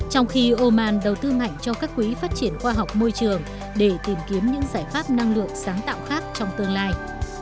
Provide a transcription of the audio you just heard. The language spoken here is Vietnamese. trong khi oman đầu tư mạnh cho các quỹ phát triển khoa học môi trường để tìm kiếm những giải pháp năng lượng sáng tạo khác trong tương lai